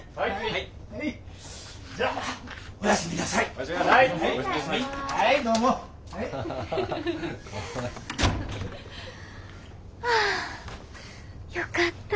はあよかった。